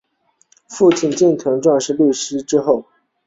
父亲近藤壮吉是律师则为藩士之后。